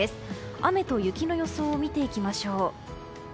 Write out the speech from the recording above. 雨と雪の予想を見ていきましょう。